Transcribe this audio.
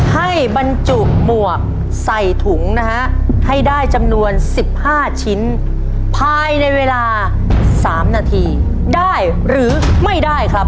ให้บรรจุหมวกใส่ถุงนะฮะให้ได้จำนวน๑๕ชิ้นภายในเวลา๓นาทีได้หรือไม่ได้ครับ